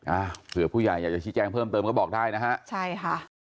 อ่าเผื่อผู้ใหญ่อยากจะชี้แจ้งเพิ่มเติมก็บอกได้นะฮะใช่ค่ะ